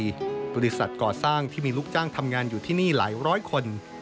บริษัทก่อสร้างที่มีลูกจ้างทำงานอยู่ที่นี่หลายร้อยคน